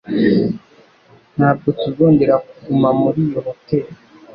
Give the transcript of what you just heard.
Ntabwo tuzongera kuguma muri iyo hoteri.